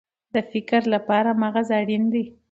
د فکر لپاره مغز اړین دی